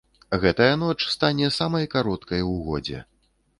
Гэтая ноч стане самай кароткай у годзе.